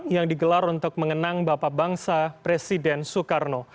yang digelar untuk mengenang bapak bangsa presiden soekarno